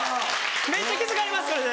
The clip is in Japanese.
めっちゃ気付かれますよね。